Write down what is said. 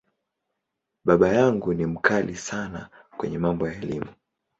Baba yangu ni ‘mkali’ sana kwenye mambo ya Elimu.